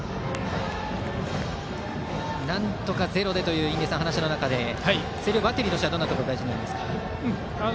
なんとかゼロでという話の中で星稜はバッテリーとしてどんなところが大事になりますか。